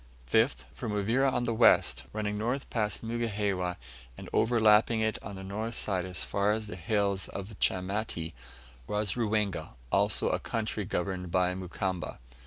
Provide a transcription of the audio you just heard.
5th. From Uvira on the west, running north past Mugihewa, and overlapping it on the north side as far as the hills of Chamati, was Ruwenga, also a country governed by Mukamba.